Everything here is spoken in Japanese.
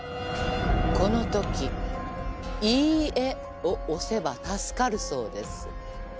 このとき「いいえ」を押せば助かるそうです。